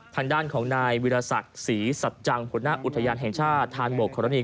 ทางด้านของนายวิรศักดิ์ศรีสัจจังหัวหน้าอุทยานแห่งชาติธานหมวกธรณี